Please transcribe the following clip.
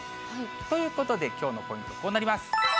ということできょうのポイント、こうなります。